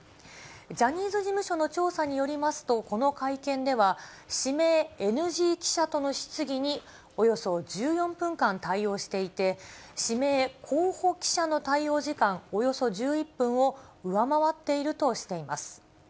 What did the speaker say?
ジャニーズ事務所の調査によりますと、この会見では、指名ＮＧ記者との質疑におよそ１４分間対応していて、指名候補記者の対応時間、およそ１１分を上回っているとしています。